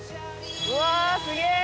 うわあすげえ！